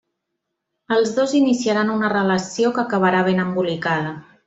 Els dos iniciaran una relació que acabarà ben embolicada.